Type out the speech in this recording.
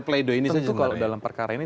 play doh ini saja tentu kalau dalam perkara ini